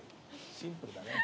シンプルだね。